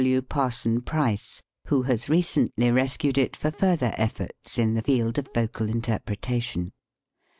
W. Parson Price, who has recently rescued it for further efforts in the field of vocal interpretation.